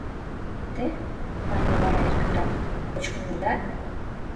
— Те, — мане вара эркынрак, — кочкын улыда?